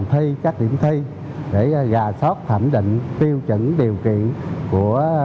hết giờ làm bài của môn sử